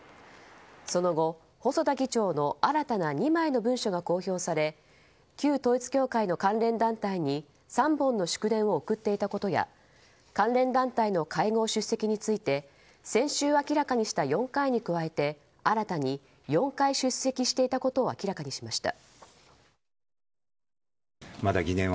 その後、細田議長の新たな２枚の文書が公表され旧統一教会の関連団体に３本の祝電を送っていたことや関連団体の会合出席について先週明らかにした４回に加えて新たに４回出席していたことを明らかにしました。